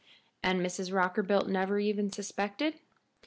"And Mrs. Rockerbilt never even suspected?"